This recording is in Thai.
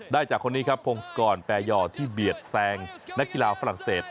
ได้จากคนนี้ครับพงศกรแปรย่อที่เบียดแซงนักกีฬาฝรั่งเศส